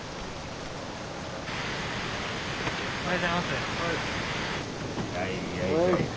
おはようございます。